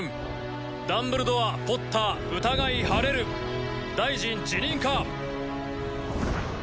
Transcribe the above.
「ダンブルドアポッター疑い晴れる」「大臣辞任か？」